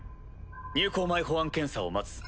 入港前保安検査を待つ。